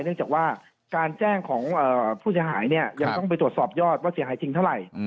เนื่องจากว่าการแจ้งของผู้เสียหายเนี่ยยังต้องไปตรวจสอบยอดว่าเสียหายจริงเท่าไหร่